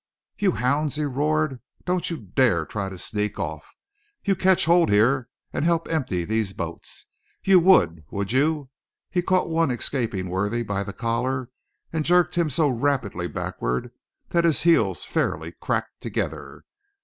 "You hounds!" he roared. "Don't you dare try to sneak off! You catch hold here and help empty these boats! You would, would you?" He caught one escaping worthy by the collar and jerked him so rapidly backward that his heels fairly cracked together.